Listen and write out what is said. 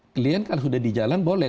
kalian kalau sudah di jalan boleh